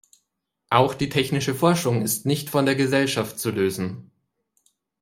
Auch die technische Forschung ist nicht von der Gesellschaft zu lösen.